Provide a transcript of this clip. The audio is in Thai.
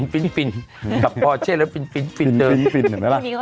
ฟินเห็นไหมละ